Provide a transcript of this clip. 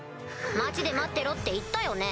町で待ってろって言ったよね？